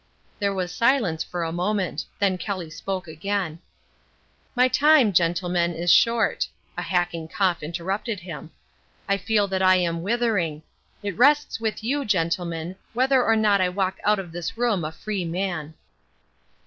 There was silence for a moment. Then Kelly spoke again: "My time, gentlemen, is short." (A hacking cough interrupted him.) "I feel that I am withering. It rests with you, gentlemen, whether or not I walk out of this room a free man."